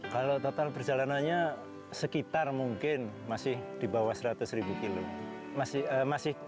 kalau total perjalanannya sekitar mungkin masih di bawah seratus ribu kilo